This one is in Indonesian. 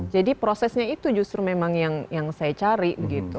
jadi prosesnya itu justru memang yang saya cari gitu